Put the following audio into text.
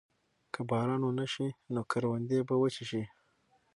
که باران ونه شي نو کروندې به وچې شي.